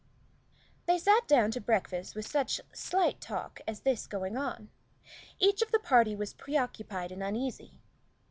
They sat down to breakfast with such slight talk as this going on. Each of the party was preoccupied and uneasy.